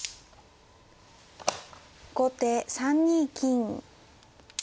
後手３二金。